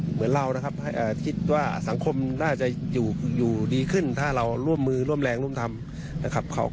เหมือนเรา